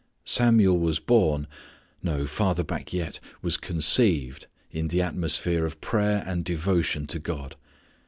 Samuel was born, no, farther back yet, was conceived in the atmosphere of prayer and devotion to God.